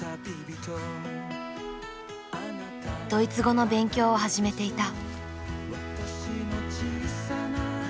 ドイツ語の勉強を始めていた。